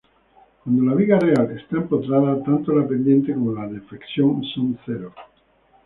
Cuando la viga real está empotrada, tanto la pendiente como la deflexión son cero.